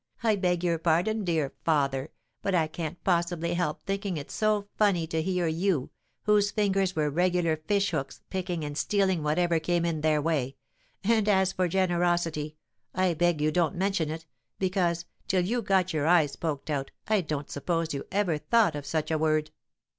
"I beg your pardon, dear father, but I can't possibly help thinking it so funny to hear you, whose fingers were regular fish hooks, picking and stealing whatever came in their way; and, as for generosity, I beg you don't mention it, because, till you got your eyes poked out I don't suppose you ever thought of such a word!"